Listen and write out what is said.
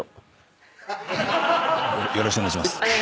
よろしくお願いします。